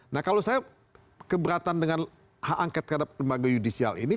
nah kalau saya keberatan dengan hak angket terhadap lembaga yudisial ini